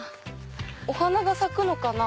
お花が咲くのかな？